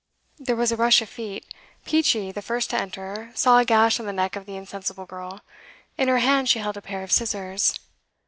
There was a rush of feet. Peachey, the first to enter, saw a gash on the neck of the insensible girl; in her hand she held a pair of scissors.